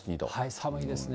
寒いですね。